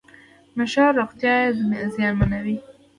نشه روغتیا زیانمنوي .